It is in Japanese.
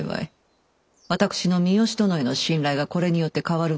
私の三好殿への信頼がこれによって変わることはない。